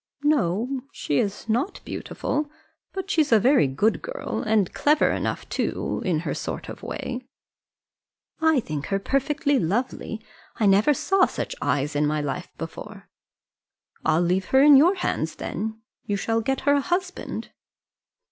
"No, she's not beautiful; but she's a very good girl, and clever enough too, in her sort of way." "I think her perfectly lovely. I never saw such eyes in my life before." "I'll leave her in your hands then; you shall get her a husband."